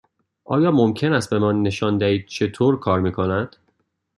آیا ممکن است به من نشان دهید چطور کار می کند؟